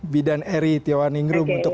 bidan eri tiawan ingrum untuk